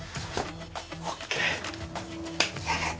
ＯＫ。